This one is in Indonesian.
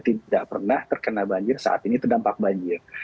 tidak pernah terkena banjir saat ini terdampak banjir